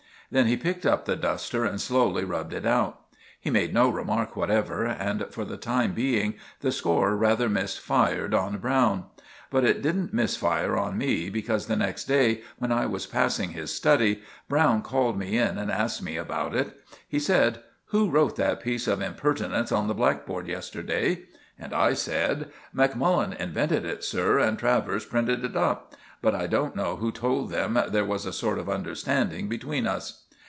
Then he picked up the duster and slowly rubbed it out. He made no remark whatever, and for the time being the score rather missed fire on Browne. But it didn't miss fire on me, because the next day, when I was passing his study, Browne called me in and asked me about it. He said— "Who wrote that piece of impertinence on the blackboard yesterday?" And I said— "Macmullen invented it, sir, and Travers printed it up; but I don't know who told them there was a sort of understanding between us."